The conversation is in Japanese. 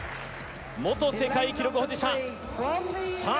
元世界記録保持者さあ